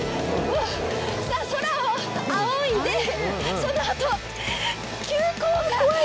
空を仰いで、そのあと急降下。